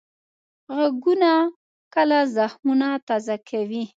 غږونه کله زخمونه تازه کوي